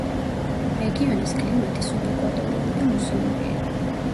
რეგიონის კლიმატი სუბეკვატორული და მუსონურია.